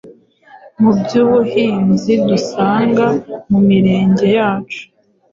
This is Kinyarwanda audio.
mu by’ubuhinzi dusanga mu mirenge yacu.